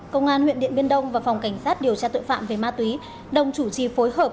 công an huyện điện biên đông và phòng cảnh sát điều tra tội phạm về ma túy đồng chủ trì phối hợp